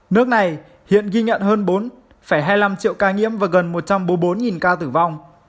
nước này hiện ghi nhận hơn bốn hai mươi năm triệu ca nhiễm và gần một trăm bốn mươi bốn ca tử vong